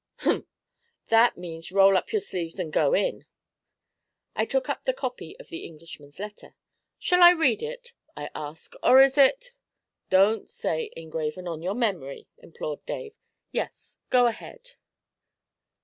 "' 'Umph! That means roll up your sleeves and go in.' I took up the copy of the Englishman's letter. 'Shall I read it?' I asked, 'or is it ' 'Don't say "engraven on your memory,"' implored Dave. 'Yes go ahead.'